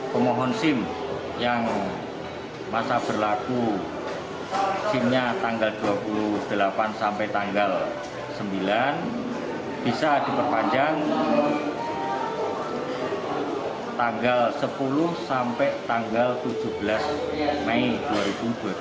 pemohon sim yang masa berlaku simnya tanggal dua puluh delapan sampai tanggal sembilan bisa diperpanjang tanggal sepuluh sampai tanggal tujuh belas mei dua ribu dua puluh